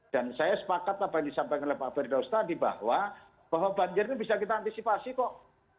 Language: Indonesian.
dan saya sepakat apa yang disampaikan pak ferdaus tadi bahwa bahwa banjir ini bisa kita antisipasi kok